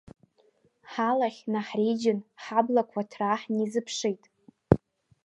Ҳалахь наҳреиџьын, ҳаблақәа ҭраа ҳнизыԥшит.